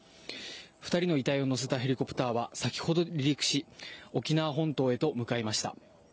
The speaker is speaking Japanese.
２人の遺体を乗せたヘリコプターは先ほど離陸し、沖縄本島へと向かいました。